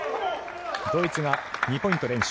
ドイツが２ポイント連取。